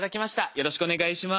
よろしくお願いします。